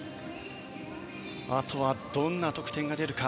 あとはどんな得点が出るか。